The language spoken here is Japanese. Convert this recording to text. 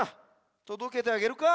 とどけてあげるか。